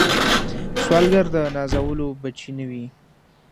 سوالګر د نازولو بچي نه وي